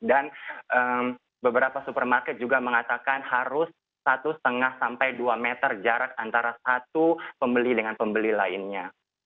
dan beberapa supermarket juga mengatakan harus satu lima sampai dua meter jarak antara satu pembeli dengan pembeli lainnya